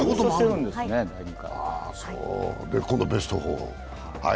で、今度ベスト４。